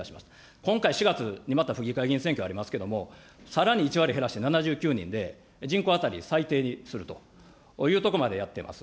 今回４月にまた府議会議員選挙ありますけれども、さらに１割減らして７９人で、人口当たり最低にするというところまでやってます。